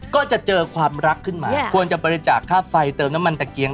ก็จะเจอความรักขึ้นมาควรจะบริจาคค่าไฟเติมน้ำมันตะเกียง